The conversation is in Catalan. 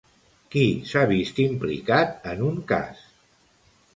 Qui s'ha vist implicat en un cas?